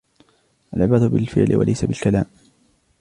العبرة بالفعل و ليس بالكلام.